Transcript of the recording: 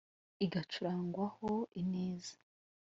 igacurangwa ho ineza